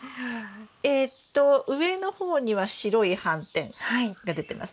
えっと上の方には白い斑点が出てますね。